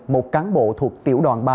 một cán bộ thuộc tiểu đoàn ba